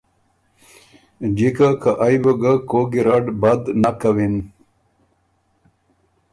جِکه که ائ بُو ګه کوک ګېرډ بد نک کَوِن۔